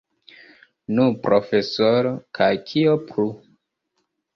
Nu, profesoro, kaj kio plu?